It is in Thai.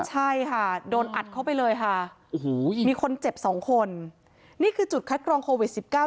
ใช่ค่ะโดนอัดเข้าไปเลยค่ะโอ้โหยิงคนเจ็บสองคนนี่คือจุดคัดกรองโควิดสิบเก้า